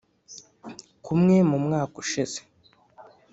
kumwe mu mwaka ushize.